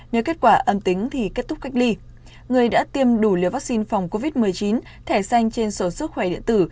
người đã tiêm đủ liều vaccine phòng covid một mươi chín thẻ xanh trên sổ sức khỏe điện tử